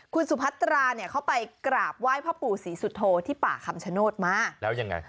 คุณสุพัตราเนี่ยเขาไปกราบไหว้พ่อปู่ศรีสุโธที่ป่าคำชโนธมาแล้วยังไง